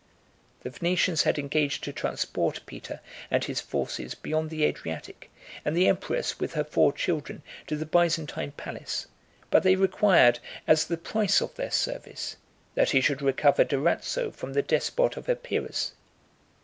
The Venetians had engaged to transport Peter and his forces beyond the Adriatic, and the empress, with her four children, to the Byzantine palace; but they required, as the price of their service, that he should recover Durazzo from the despot of Epirus.